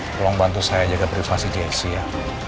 tolong bantu saya jaga privasi jessy ya